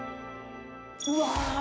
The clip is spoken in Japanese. うわ！